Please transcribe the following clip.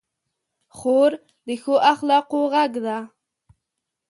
خور د ښو اخلاقو غږ ده.